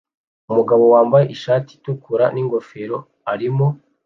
Umugabo wambaye ishati itukura n'ingofero arimo